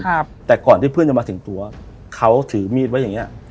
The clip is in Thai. ครับแต่ก่อนที่เพื่อนจะมาถึงตัวเขาถือมีดไว้อย่างเงี้ย